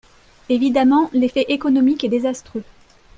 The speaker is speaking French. Évidemment, l’effet économique est désastreux